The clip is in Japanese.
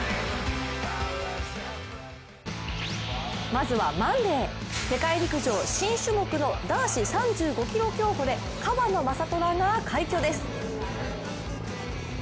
まずはマンデー世界陸上新種目の男子３５ｋｍ競歩で川野将虎が快挙です。